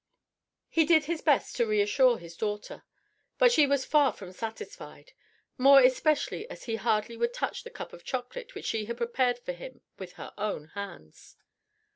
He did his best to reassure his daughter, but she was far from satisfied: more especially as he hardly would touch the cup of chocolate which she had prepared for him with her own hands.